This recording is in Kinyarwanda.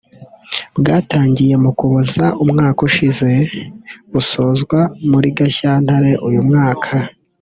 bwatangiye mu Kuboza umwaka ushize busozwa muri Gashyantare uyu mwaka